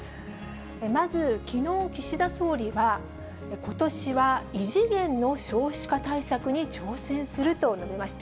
まずきのう岸田総理は、ことしは異次元の少子化対策に挑戦すると述べました。